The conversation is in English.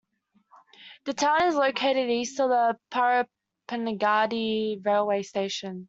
The town is located east of the Parappanangadi Railway station.